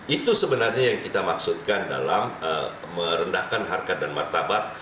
itu sebenarnya yang kita maksudkan dalam merendahkan harkat dan martabat